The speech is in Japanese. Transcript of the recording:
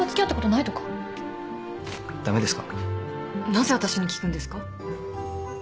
なぜ私に聞くんですか？